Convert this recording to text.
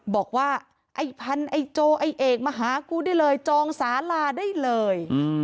บอกว่าไอ้พันไอ้โจไอ้เอกมาหากูได้เลยจองสาลาได้เลย